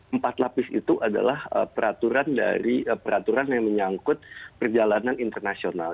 empat lapis itu adalah peraturan yang menyangkut perjalanan internasional